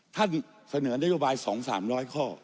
ท่านเสนอในโยบายสองสามร้อยข้อ